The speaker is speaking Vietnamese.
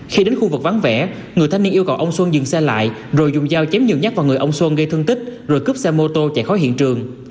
khi đến khu vực vắng vẻ người thanh niên yêu cầu ông xuân dừng xe lại rồi dùng dao chém nhiều nhát vào người ông xuân gây thương tích rồi cướp xe mô tô chạy khỏi hiện trường